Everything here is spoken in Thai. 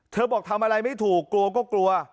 บอกทำอะไรไม่ถูกกลัวก็กลัว